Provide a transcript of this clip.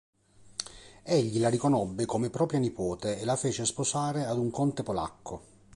Egli la riconobbe come propria nipote e la fece sposare ad un conte polacco.